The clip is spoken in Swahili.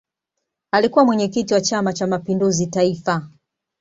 alikuwa mwenyekiti chama cha mapinduzi taifa